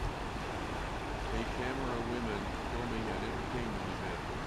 A camera women filming an entertainment event